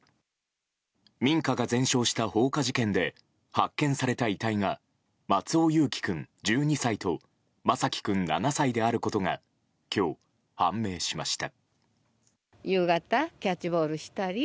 民家が全焼した放火事件で発見された遺体が松尾侑城君、１２歳と眞輝君、７歳であることが今日、判明しました。